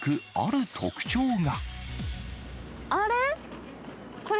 あれ？